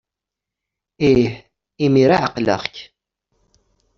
Ih, imir-a ɛeqleɣ-k!